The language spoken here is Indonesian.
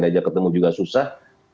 ini aja ketemu juga susah